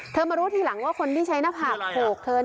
มารู้ทีหลังว่าคนที่ใช้หน้าผากโขกเธอ